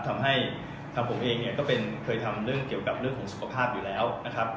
ทำให้ทางผมเองเนี่ยก็เป็นเคยทำเรื่องเกี่ยวกับเรื่องของสุขภาพอยู่แล้วนะครับ